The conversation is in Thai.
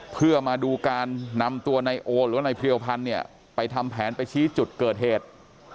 เพื่อมาดูการนำตัวนายโอหรือว่านายเพรียวพันธ์เนี่ยไปทำแผนไปชี้จุดเกิดเหตุ